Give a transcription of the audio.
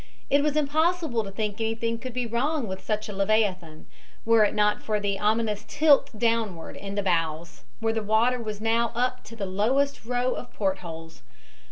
It was impossible to think anything could be wrong with such a leviathan, were it not for that ominous tilt downwards in the bows, where the water was now up to the lowest row of port holes.